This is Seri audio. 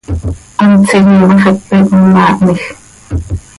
Hant tsiijim ma, xepe com maahnij.